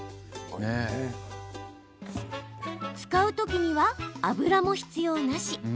使うときには油も必要なし。